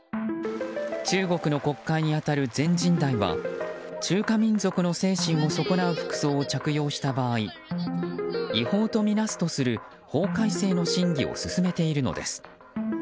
中国の国会に当たる全人代は中華民族の精神を損なう服装を着用した場合違法とみなすとする法改正の審議を進めているのです。